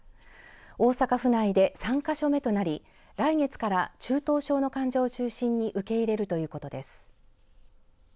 大阪府内で３か所目となり来月から中等症の患者を中心に受け入れるということです。